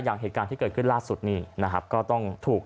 อย่างเหตุการณ์ที่เกิดขึ้นล่าสุดนี่นะครับก็ต้องถูก